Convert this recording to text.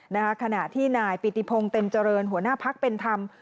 ขณะที่นายปิติพงศ์เต็มเจริญหัวหน้าพักเป็นธรรม